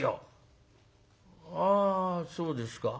「ああそうですか。